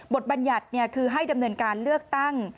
บัญญัติคือให้ดำเนินการเลือกตั้ง